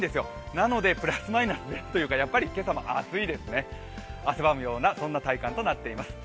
なのでプラスマイナスでやっぱり今朝も暑いですね、汗ばむような体感となっています。